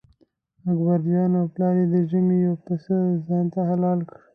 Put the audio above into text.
اکبرجان او پلار یې د ژمي یو پسه ځانته حلال کړ.